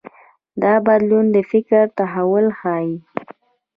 دا بدلون د فکر تحول ښيي.